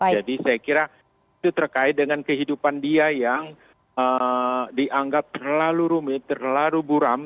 jadi saya kira itu terkait dengan kehidupan dia yang dianggap terlalu rumit terlalu buram